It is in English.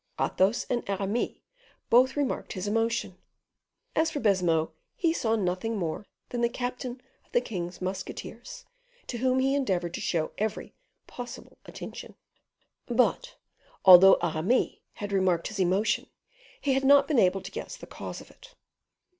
Athos and Aramis both remarked his emotion; as for Baisemeaux, he saw nothing more than the captain of the king's musketeers, to whom he endeavored to show every possible attention. But, although Aramis had remarked his emotion, he had not been able to guess the cause of it.